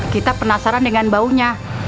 kita penasaran dengan baunya